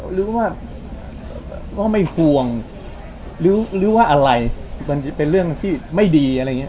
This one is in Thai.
หรือว่าก็ไม่ห่วงหรือว่าอะไรมันจะเป็นเรื่องที่ไม่ดีอะไรอย่างนี้